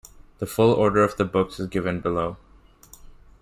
The full order of the books is given below.